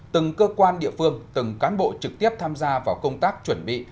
từng cơ quan địa phương từng cán bộ trực tiếp tham gia vào công tác chuẩn bị